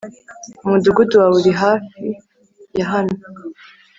Umudugudu wawe uri he Hafi ya hano